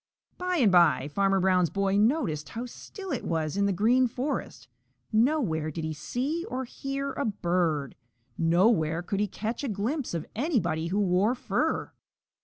By and by Farmer Brown's boy noticed how still it was in the Green Forest. Nowhere did he see or hear a bird. Nowhere could he catch a glimpse of anybody who wore fur.